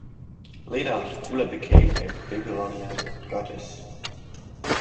Later, Gula became a Babylonian goddess.